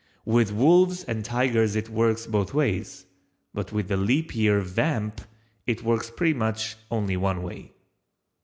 With wolves and tigers it works both ways, but with the leap year "Vamp" it works pretty much only one way.